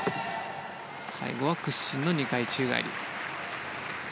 最後は屈身の２回宙返り。